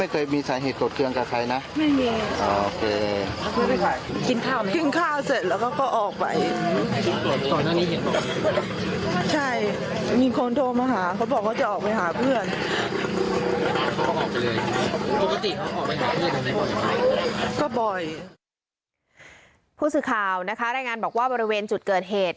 ผู้สื่อข่าวนะคะรายงานบอกว่าบริเวณจุดเกิดเหตุ